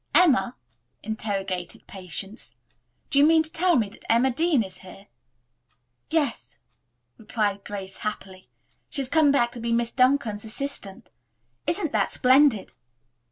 "Emma?" interrogated Patience. "Do you mean to tell me that Emma Dean is here?" "Yes," replied Grace happily. "She's come back to be Miss Duncan's assistant. Isn't that splendid?"